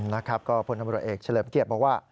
นะครับก็พนับรับเอกเฉลิมเกียจบอกว่า